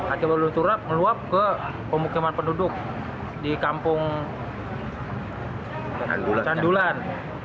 akibat lulung turap meluap ke pemukiman penduduk di kampung candulan